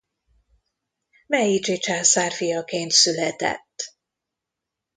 Meidzsi császár fiaként született.